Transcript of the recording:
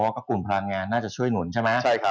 ก็กลุ่มพลังงานน่าจะช่วยหนุนใช่ไหม